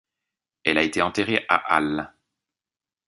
Elle a été enterrée à Halle.